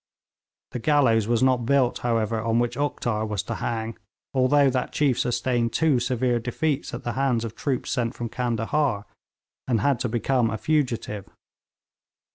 The gallows was not built, however, on which Uktar was to hang, although that chief sustained two severe defeats at the hands of troops sent from Candahar, and had to become a fugitive.